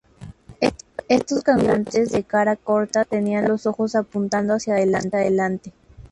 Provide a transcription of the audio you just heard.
Estos canguros gigantes de cara corta tenían los ojos apuntando hacia adelante.